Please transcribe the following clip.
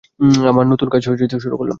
আমার নতুন কাজ শুরু করলাম।